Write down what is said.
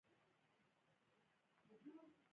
پاتېدل اسانه و، کله چې دوهم ځل را پورته شوم.